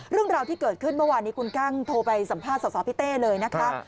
เรื่องราวที่เกิดขึ้นเมื่อวานนี้คุณกั้งโทรไปสัมภาษณ์สาวพี่เต้เลยนะคะ